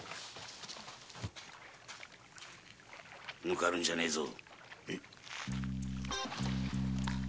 抜かるんじゃねえぞ。